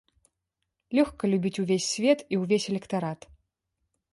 Лёгка любіць увесь свет і ўвесь электарат.